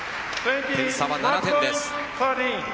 点差は７点です。